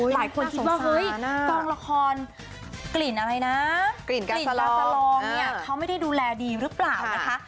หลายคนคิดว่าเฮ้ยกองละครกลิ่นอะไรนะกลิ่นลาสลองเนี่ยเขาไม่ได้ดูแลดีหรือเปล่านะคะ